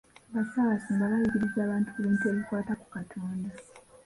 Bassaabasumba bayigiriza abantu ku bintu ebikwata ku Katonda.